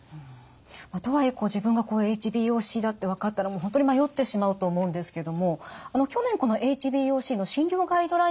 とはいえ自分がＨＢＯＣだって分かったら本当に迷ってしまうと思うんですけども去年このＨＢＯＣの診療ガイドラインが出来たそうですね。